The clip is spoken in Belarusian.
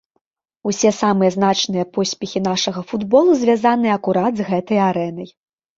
Усе самыя значныя поспехі нашага футбола звязаныя акурат з гэтай арэнай.